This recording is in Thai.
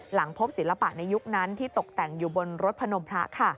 หลังพบศิลปะในยุคนั้นที่ตกแต่งอยู่บนรถพนมพระ